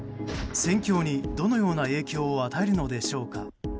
戦況にどのような影響を与えるのでしょうか。